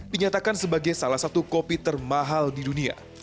dinyatakan sebagai salah satu kopi termahal di dunia